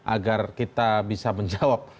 agar kita bisa menjawab